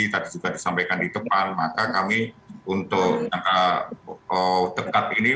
tadi juga disampaikan di depan maka kami untuk jangka dekat ini